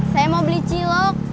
saya mau beli cilok